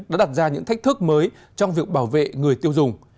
đã đặt ra những thách thức mới trong việc bảo vệ người tiêu dùng